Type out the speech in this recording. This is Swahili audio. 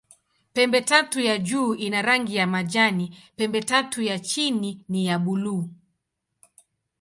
Pembetatu ya juu ina rangi ya majani, pembetatu ya chini ni ya buluu.